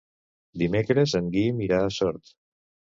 Dimecres en Guim irà a Sort.